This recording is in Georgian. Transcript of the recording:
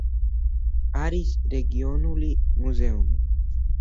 არის რეგიონული მუზეუმი.